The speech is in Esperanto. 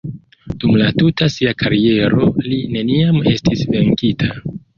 Dum la tuta sia kariero li neniam estis venkita.